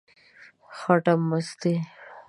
خټه مستې،